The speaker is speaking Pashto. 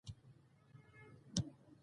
هیلیم د نجیبه غازونو له ډلې څخه دی.